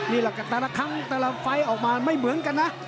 นี่แหละครับแต่ละครั้งแต่ละไฟล์ออกมาไม่เหมือนกันนะ